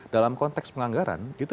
dalam konteks penganggaran itu